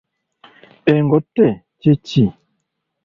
Engote kye ki?